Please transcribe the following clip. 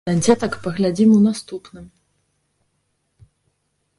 На дзетак паглядзім у наступным.